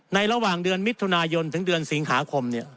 ระหว่างเดือนมิถุนายนถึงเดือนสิงหาคม